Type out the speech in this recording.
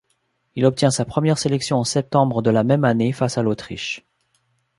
Il obtient sa première sélection en septembre de la même année face à l'Autriche.